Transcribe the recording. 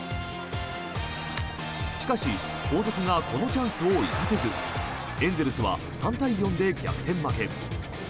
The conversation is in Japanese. しかし後続がこのチャンスを生かせずエンゼルスは３対４で逆転負け。